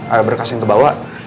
ada berkas yang kebawa